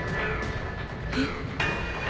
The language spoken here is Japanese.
えっ？